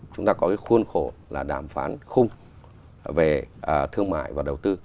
chúng ta có cái khuôn khổ là đàm phán khung về thương mại và đầu tư